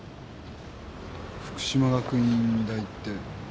福島学院大って。